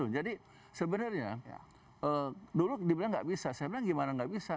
jadi sebenarnya dulu di bilang nggak bisa saya bilang gimana nggak bisa